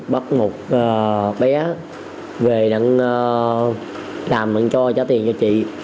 bắt một bé về làm bạn cho trả tiền cho chị